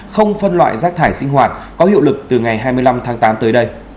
không phân loại rác thải sinh hoạt có hiệu lực từ ngày hai mươi năm tháng tám tới đây